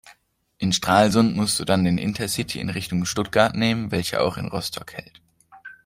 In Stralsund musst du dann den Intercity in Richtung Stuttgart nehmen, welcher auch in Rostock hält.